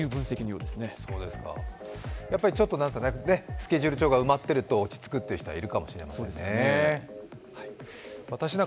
スケジュール帳が埋まっていると落ち着く人、いらっしゃるかもしれません。